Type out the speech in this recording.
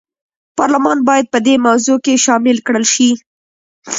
پارلمان باید په دې موضوع کې شامل کړل شي.